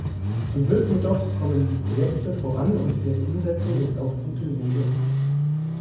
Zum Glück jedoch kommen die Projekte voran und ihre Umsetzung ist auf gutem Wege.